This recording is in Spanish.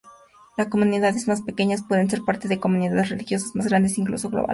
Las comunidades más pequeñas pueden ser parte de comunidades religiosas más grandes, incluso globales.